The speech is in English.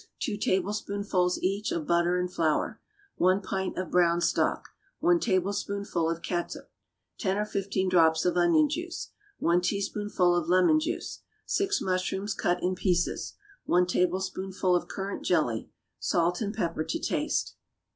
2 tablespoonfuls, each, of butter and flour. 1 pint of brown stock. 1 tablespoonful of catsup. 10 or 15 drops of onion juice. 1 teaspoonful of lemon juice. 6 mushrooms, cut in pieces. 1 tablespoonful of currant jelly. Salt and pepper to taste.